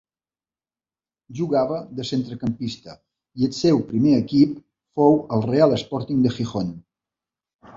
Jugava de centrecampista i el seu primer equip fou el Real Sporting de Gijón.